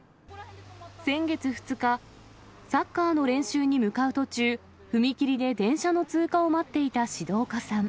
先月２日、サッカーの練習に向かう途中、踏切で電車の通過を待っていた志戸岡さん。